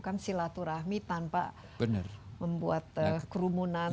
dan kita juga bisa mencari dan mungkin juga menemukan cara cara untuk mencari